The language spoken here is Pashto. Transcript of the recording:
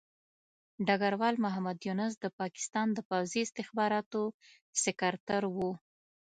ډګروال محمد یونس د پاکستان د پوځي استخباراتو سکرتر وو.